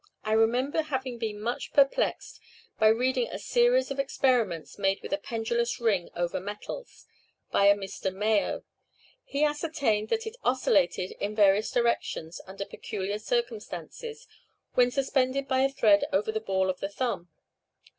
I remember having been much perplexed by reading a series of experiments made with a pendulous ring over metals, by a Mr. Mayo: he ascertained that it oscillated in various directions under peculiar circumstances, when suspended by a thread over the ball of the thumb.